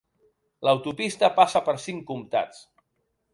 L'autopista passa per cinc comtats.